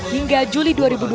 hingga juli dua ribu dua puluh